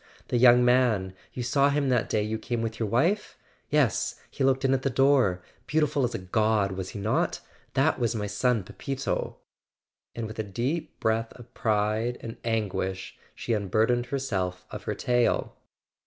The young man—you saw him that day you came with your wife? Yes—he looked in at the door: beautiful as a god, was he not? That was my son Pepito!" And with a deep breath of pride and anguish she unburdened herself of her tale.